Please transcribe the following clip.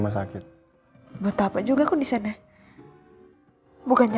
apa keluar dulu ya